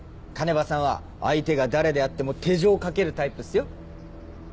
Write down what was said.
鐘場さんは相手が誰であっても手錠を掛けるタイプっすよ。